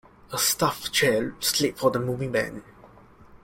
A stuffed chair slipped from the moving van.